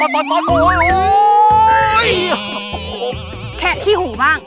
แบบนี้ก็ได้